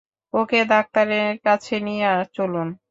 ওকে ডাক্তারের কাছে নিয়ে চলুন!